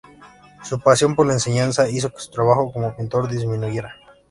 Su pasión por la enseñanza, hizo que su trabajo como pintor disminuyera.